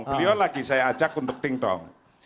beliau lagi saya ajak untuk ting tong